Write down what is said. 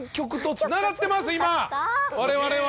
我々は！